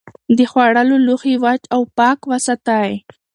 د خوړو لوښي وچ او پاک وساتئ.